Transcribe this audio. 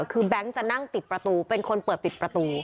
คือแบงค์จะนั่งติดประตูเป็นคนเปิดปิดประตู